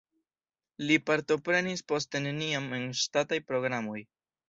Li partoprenis poste neniam en ŝtataj programoj.